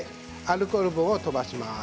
アルコール分を飛ばします。